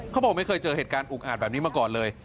เขาบอกไม่เคยเจอเหตุการณ์อุกอาจแบบนี้มาก่อนเลย